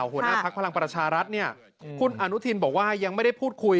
วันนี้พลังประชารัฐนี่คุณอนุทิวฯบอกว่ายังไม่ได้พูดคุย